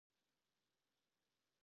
The first rector was Fr.